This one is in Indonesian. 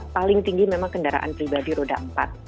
paling tinggi memang kendaraan pribadi roda empat